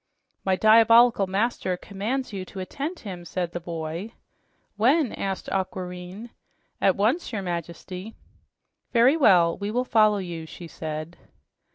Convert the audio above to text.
"My diabolical master commands you to attend him," said the boy. "When?" asked Aquareine. "At once, your Majesty." "Very well, we will follow you," she said.